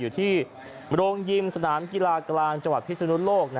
อยู่ที่โรงยิมสนามกีฬากลางจังหวัดพิศนุโลก